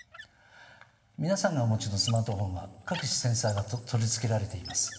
皆さんがお持ちのスマートフォンは各種センサーが取り付けられています。